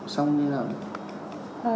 xong đi làm gì